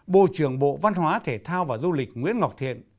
bộ trưởng bộ văn hóa thể thao và du lịch nguyễn ngọc thiện